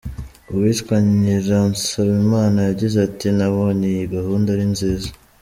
Uwitwa Nyiransabimana yagize ati “Nabonye iyi gahunda ari nziza.